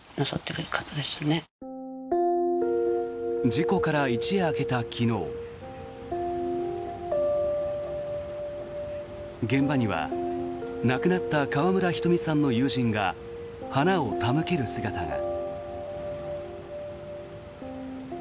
事故から一夜明けた昨日現場には、亡くなった川村ひとみさんの友人が花を手向ける姿が。